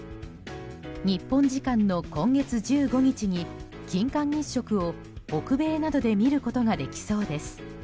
日本時間の今月１５日に金環日食を北米などで見ることができそうです。